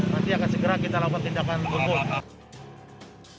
nanti akan segera kita lakukan tindakan hukum